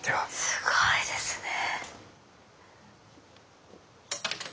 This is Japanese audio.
すごいですね。